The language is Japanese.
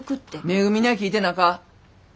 めぐみには聞いてなか。